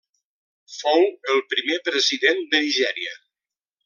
Fou el primer president de Nigèria.